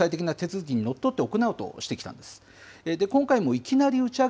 そして国際的な手続きにのっとって行うとしてきたんです。